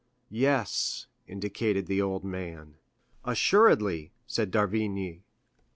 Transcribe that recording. "Yes," indicated the old man. "Assuredly," said d'Avrigny.